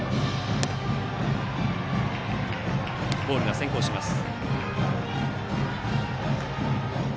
ボールが先行します。